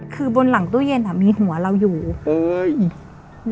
คือบนหลังตู้เย็นอ่ะมีหัวเราอยู่เอ้ย